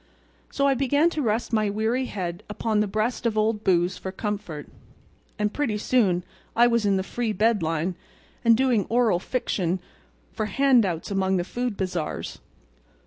So I began to rest my weary head upon the breast of Old Booze for comfort. And pretty soon I was in the free bed line and doing oral fiction for hand outs among the food bazaars.